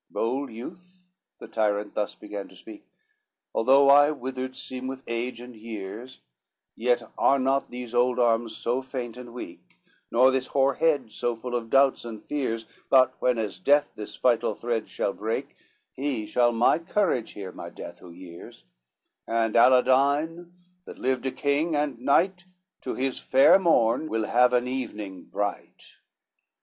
IX "Bold youth," the tyrant thus began to speak, "Although I withered seem with age and years, Yet are not these old arms so faint and weak, Nor this hoar head so full of doubts and fears But whenas death this vital thread shall break, He shall my courage hear, my death who hears: And Aladine that lived a king and knight, To his fair morn will have an evening bright.